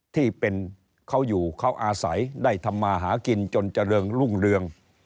ที่เป็นเขาอยู่เขาอาศัยได้ทำมาหากินจนเจริญรุ่งเรือง